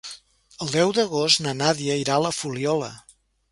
El deu d'agost na Nàdia irà a la Fuliola.